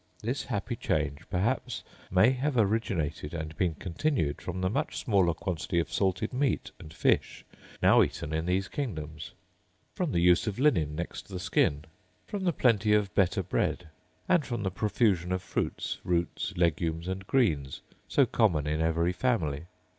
This happy change perhaps may have originated and been continued from the much smaller quantity of salted meat and fish now eaten in these kingdoms; from the use of linen next the skin; from the plenty of better bread; and from the profusion of fruits, roots, legumes, and greens, so common in every family.